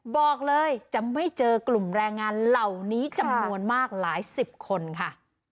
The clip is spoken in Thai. บอกเลยจะไม่เจอกลุ่มแรงงานเหล่านี้จำนวนมากหลายสิบคนค่ะ